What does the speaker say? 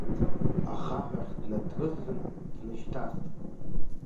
Ахаҳә ахь днаҭрысын, днышьҭаст.